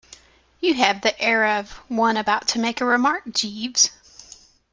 You have the air of one about to make a remark, Jeeves.